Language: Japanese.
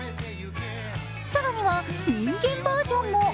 更には人間バージョンも。